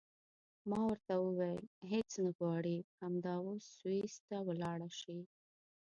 ما ورته وویل هېڅ نه غواړې همدا اوس سویس ته ولاړه شې.